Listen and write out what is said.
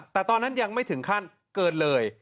แต่ตอนนั้นยังไม่ถึงขั้นเกินเลย